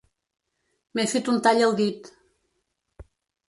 M'he fet un tall al dit.